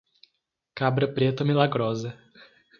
Cabra preta milagrosa